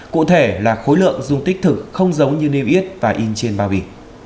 cụ thể là khối lượng dung tích thực không giống như niêm yết và in trên bao bì